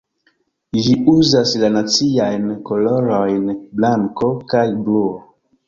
Ĝi uzas la naciajn kolorojn blanko kaj bluo.